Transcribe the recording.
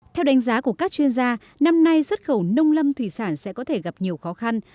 theo đánh giá của các chuyên gia năm nay xuất khẩu nông lâm thủy sản sẽ có thể gặp nhiều khó khăn